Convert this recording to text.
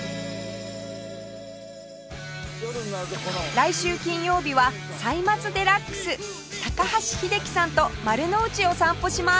来週金曜日は『歳末デラックス』高橋英樹さんと丸の内を散歩します